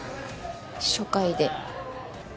初回で。